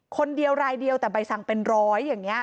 คนเดียวรายเดียวแต่ใบสั่งเป็นร้อยอย่างนี้